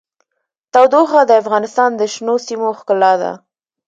تودوخه د افغانستان د شنو سیمو ښکلا ده.